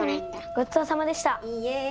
ごちそうさまでした。